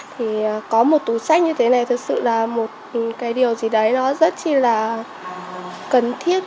thì có một túi sách như thế này thật sự là một cái điều gì đấy nó rất là cần thiết